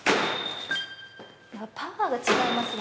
パワーが違いますね。